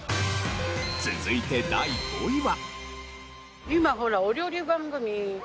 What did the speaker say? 続いて第５位は。